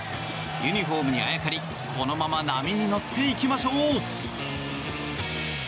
ユニホームにあやかりこのまま波に乗っていきましょう。